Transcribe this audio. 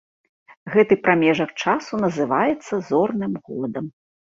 Гэты прамежак часу называецца зорным годам.